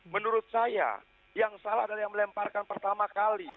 menurut saya yang salah adalah yang melemparkan pertama kali